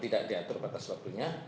tidak diatur batas waktunya